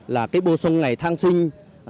là cái bổ sung ngày tháng sinh